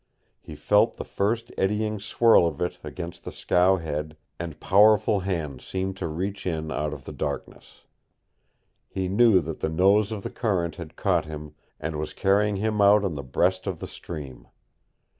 He felt the first eddying swirl of it against the scow head, and powerful hands seemed to reach in out of the darkness. He knew that the nose of the current had caught him and was carrying him out on the breast of the stream.